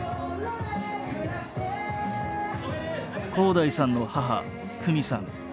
洸大さんの母公美さん。